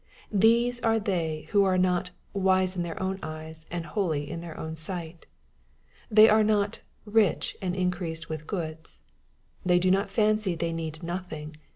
These are they who are not " wise in their own eyes and holy in their own sight." They are not " rich and increased with goods." They do not fancy they need nothing.